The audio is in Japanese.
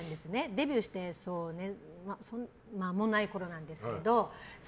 デビューして間もないころなんですけど。